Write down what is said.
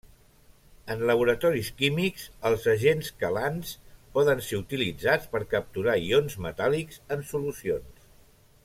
En laboratoris químics els agents quelants poden ser utilitzats per capturar ions metàl·lics en solucions.